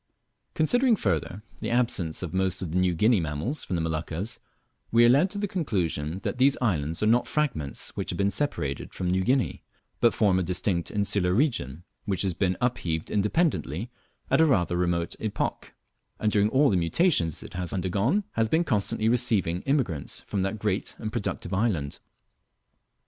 Considering, further, the absence of most of the New Guinea mammals from the Moluccas, we are led to the conclusion that these islands are not fragments which have been separated from New Guinea, but form a distinct insular region, which has been upheaved independently at a rather remote epoch, and during all the mutations it has undergone has been constantly receiving immigrants from that great and productive island.